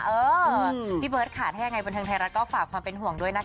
เออพี่เบิร์ตค่ะถ้ายังไงบันเทิงไทยรัฐก็ฝากความเป็นห่วงด้วยนะคะ